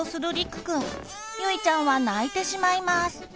ゆいちゃんは泣いてしまいます。